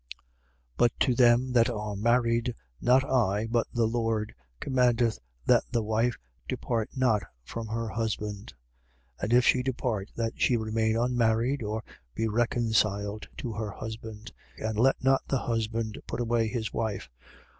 But to them that are married, not I, but the Lord, commandeth that the wife depart not from her husband. 7:11. And if she depart, that she remain unmarried or be reconciled to her husband. And let not the husband put away his wife.